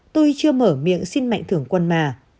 tôi chưa mở miệng xin mạnh thường quân mà